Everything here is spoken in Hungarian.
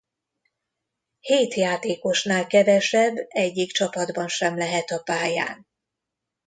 Hét játékosnál kevesebb egyik csapatban sem lehet a pályán.